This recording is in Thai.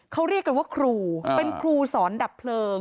เขาเรียกกันว่าครูเป็นครูสอนดับเพลิง